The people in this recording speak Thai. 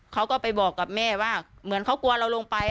เขาก็ไปบอกกับแม่ว่าเหมือนเขากลัวเราลงไป